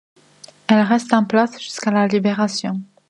Elle reste en place jusqu'à la Libération.